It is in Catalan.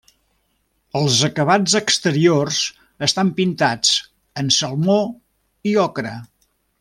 Els acabats exteriors estan pintats en salmó i ocre.